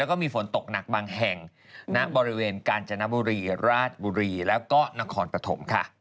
แล้วก็มีฝนตกหนักบางแห่งณบริเวณกาญจนบุรีราชบุรีแล้วก็นครปฐมค่ะ